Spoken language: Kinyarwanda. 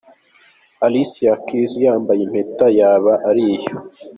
Alicia Keys yambaye impeta, yaba ari iyo .